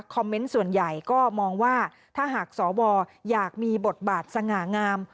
เมนต์ส่วนใหญ่ก็มองว่าถ้าหากสวอยากมีบทบาทสง่างาม